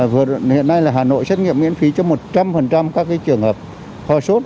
hiện nay là hà nội xét nghiệm miễn phí cho một trăm linh các cái trường hợp hoa sốt